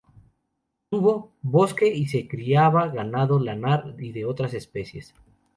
Tuvo, bosque y se criaba ganado lanar y de otras especies.